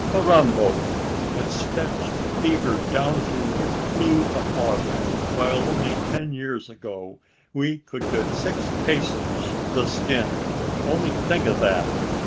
Carrambo! it's fetched beaver down to a plew a plug; while only ten years ago, we could get six pesos the skin! Only think of that!